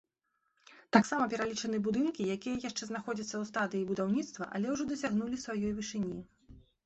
Таксама пералічаны будынкі, якія яшчэ знаходзяцца ў стадыі будаўніцтва, але ўжо дасягнулі сваёй вышыні.